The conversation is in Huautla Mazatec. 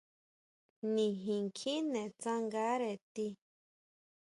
Nijin kjine tsangare tii.